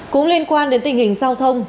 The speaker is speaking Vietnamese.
cũng liên quan đến tình hình giao thông